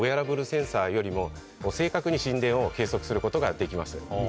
センサーよりも正確に心電を計測することができます。